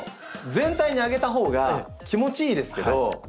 全体にあげたほうが気持ちいいですけど。